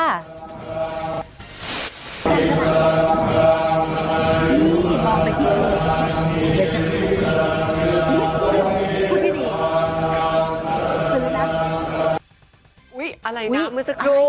อะไรนะเมื่อสักครู่